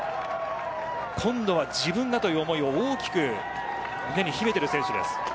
今度は自分がという思いを胸に秘めている選手です。